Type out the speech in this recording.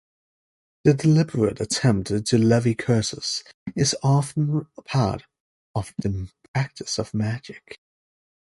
The deliberate attempt to levy curses is often part of the practice of magic.